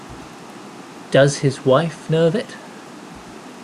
Does his wife know of it?